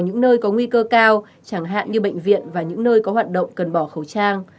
những nơi có nguy cơ cao chẳng hạn như bệnh viện và những nơi có hoạt động cần bỏ khẩu trang